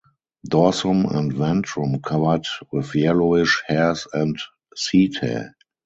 Dorsum and ventrum covered with yellowish hairs and setae.